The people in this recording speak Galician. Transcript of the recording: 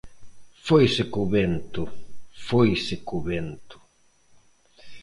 Foise co vento, foise co vento.